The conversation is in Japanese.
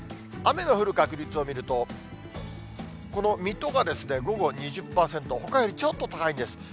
雨の降る確率を見ると、この水戸が午後２０％、ほかよりちょっと高いんです。